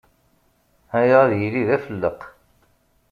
Aya ad yili d afelleq.